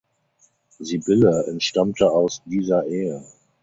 Sybille entstammte aus dieser Ehe.